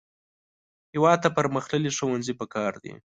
هېواد ته پرمختللي ښوونځي پکار دي